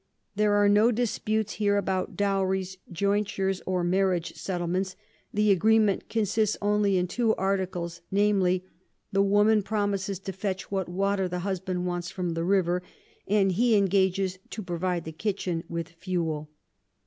There are no Disputes here about Dowries, Jointures, or Marriage Settlements; the Agreement consists only in two Articles, viz. The Woman promises to fetch what Water the Husband wants from the River, and he engages to provide the Kitchin with Fewel.